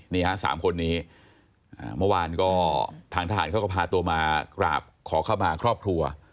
๓คนนี้เมื่อวานก็ทางทหารเขาก็พาตัวมากราบขอเข้ามาครอบครัว